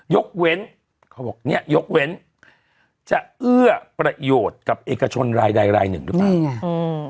ยกเว้นเขาบอกเนี่ยยกเว้นจะเอื้อประโยชน์กับเอกชนรายใดรายหนึ่งหรือเปล่าใช่ไง